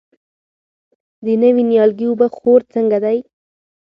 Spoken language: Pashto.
د نوي نیالګي اوبه خور څنګه دی؟